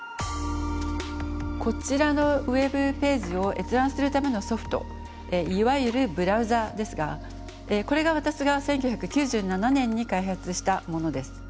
こちらのＷｅｂページを閲覧するためのソフトいわゆるブラウザですがこれが私が１９９７年に開発したものです。